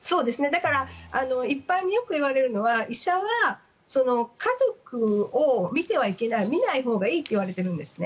だから、一般によく言われるのは医者は家族を診てはいけない診ないほうがいいといわれているんですね。